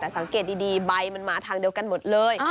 แต่สังเกตดีใบมันมาทางเดียวกันหมดเลย